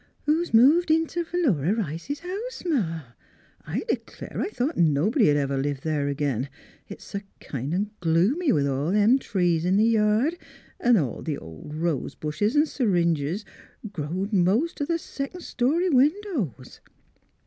... Who's moved int' Philura Rice's house, Ma? I d'clare I thought nobody 'd ever live there agin; it's s' kind o' gloomy with all them trees in th' yard an' th' ol' rose bushes an' syringas growed mos' t' th' secon' story win dows."